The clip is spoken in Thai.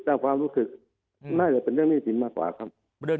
ความรู้สึกน่าจะเป็นเรื่องหนี้สินมากกว่าครับ